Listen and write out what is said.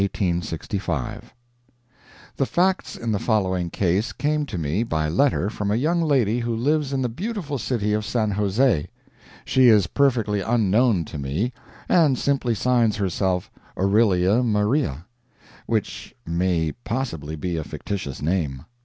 ] The facts in the following case came to me by letter from a young lady who lives in the beautiful city of San José; she is perfectly unknown to me, and simply signs herself "Aurelia Maria," which may possibly be a fictitious name.